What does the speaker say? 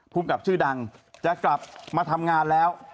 ภูมิกับชื่อดังจะกลับมาทำงานแล้ว